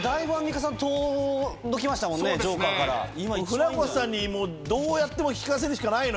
船越さんにどうやっても引かせるしかないのよ。